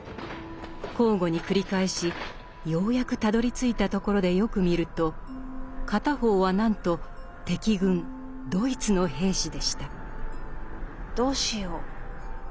交互に繰り返しようやくたどりついたところでよく見ると片方はなんと敵軍ドイツの兵士でした。